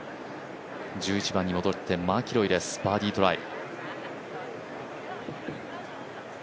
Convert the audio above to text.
１１番に戻ってマキロイですバーディートライ。